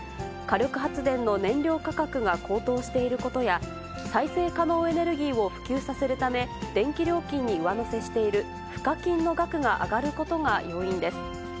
火力発電の燃料価格が高騰していることや、再生可能エネルギーを普及させるため、電気料金に上乗せしている、賦課金の額が上がることが要因です。